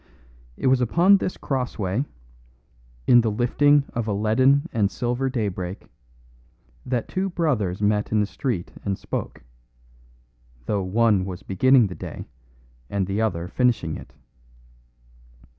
It was upon this crossway, in the lifting of a leaden and silver daybreak, that two brothers met in the street and spoke; though one was beginning the day and the other finishing it.